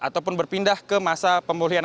ataupun berpindah ke masa pemulihan